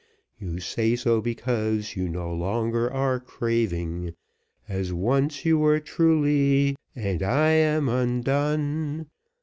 You say so because you no longer are craving, As once you were truly and I am undone."